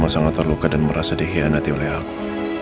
mama sangat terluka dan merasa dikhianati oleh aku